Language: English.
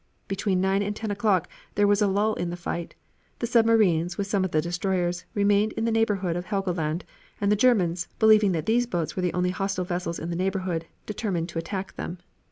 Between nine and ten o'clock there was a lull in the fight; the submarines, with some of the destroyers, remained in the neighborhood of Helgoland, and the Germans, believing that these boats were the only hostile vessels in the neighborhood, determined to attack them.